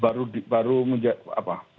pada waktu itu baru menjelang apa